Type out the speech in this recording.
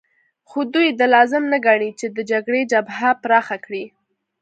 خو دوی دا لازم نه ګڼي چې د جګړې جبهه پراخه کړي